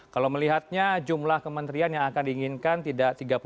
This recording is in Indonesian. kalau melihatnya jumlah kementerian yang akan diinginkan tidak tiga puluh delapan